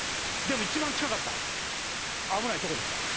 でも一番近かった危ないとこでした。